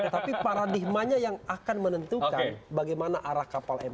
tapi paradigmanya yang akan menentukan bagaimana arah kapal mk